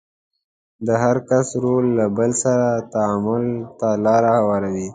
د هر کس رول له بل سره تعامل ته لار هواروي.